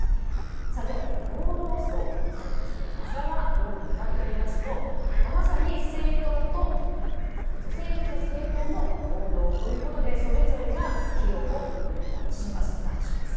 ではこの合同葬最後、こちらはどうなのかといいますとまさに政府と政党の合同ということでそれぞれが費用を分担します。